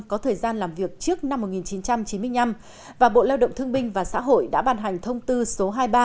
có thời gian làm việc trước năm một nghìn chín trăm chín mươi năm và bộ lao động thương binh và xã hội đã ban hành thông tư số hai mươi ba